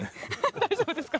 大丈夫ですか？